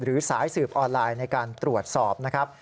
สายสืบออนไลน์ในการตรวจสอบนะครับ